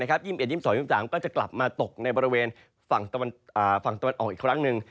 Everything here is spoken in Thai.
๒๑๒๒๓ก็จะกลับมาตกในบริเวณฝั่งตะวันออกอีกครั้งหนึ่ง